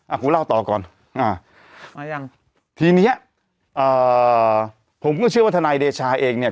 กูเล่าต่อก่อนอ่ามายังทีเนี้ยอ่าผมก็เชื่อว่าทนายเดชาเองเนี่ย